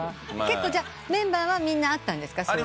結構メンバーはみんなあったんですか？